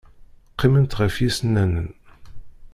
Qqiment ɣef yisennanen.